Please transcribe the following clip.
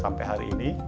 sampai hari ini